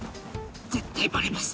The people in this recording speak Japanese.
絶対バレますって。